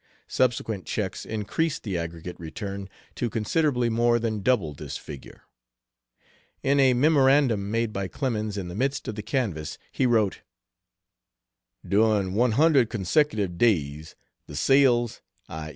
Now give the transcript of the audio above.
Subsequent checks increased the aggregate return to considerably more than double this figure. In a memorandum made by Clemens in the midst of the canvass he wrote. "During 100 consecutive days the sales (i.